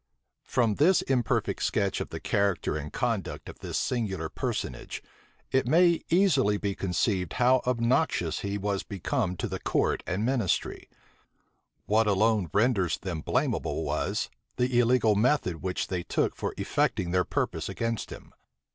From this imperfect sketch of the character and conduct of this singular personage, it may easily be conceived how obnoxious he was become to the court and ministry: what alone renders them blamable was, the illegal method which they took for effecting their purpose against him.